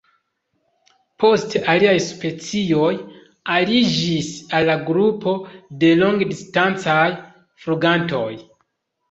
Poste aliaj specioj aliĝis al la grupo de longdistancaj flugantoj.